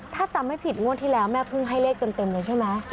ถ้าจำไม่ผิดงวดที่แล้วแม่พึ่งให้เลขเต็มเลยใช่ไหม